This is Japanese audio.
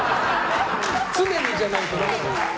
常にじゃないとだめ。